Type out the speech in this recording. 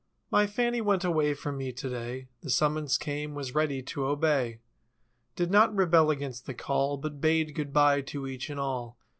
My Fannie went away from me today— The summons came—was ready to obey; Did not rebel against the call. But bade goodbye to each and all.